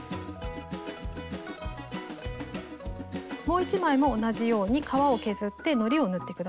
もう一枚も同じように革を削ってのりを塗って下さい。